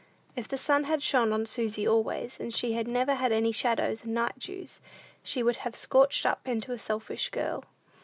If the sun had shone on Susy always, and she had never had any shadows and night dews, she would have scorched up into a selfish girl.